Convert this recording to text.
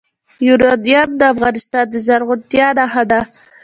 یورانیم د افغانستان د زرغونتیا نښه ده.